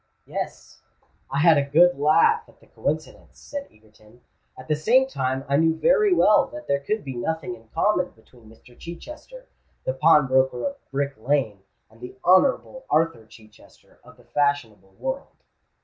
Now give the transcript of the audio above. "Yes: I had a good laugh at the coincidence," said Egerton. "At the same time I knew very well that there could be nothing in common between Mr. Chichester, the pawnbroker of Brick Lane, and the Honourable Arthur Chichester of the fashionable world."